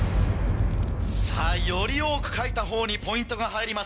さぁより多く書いた方にポイントが入ります。